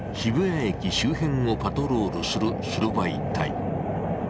駅周辺をパトロールする白バイ隊。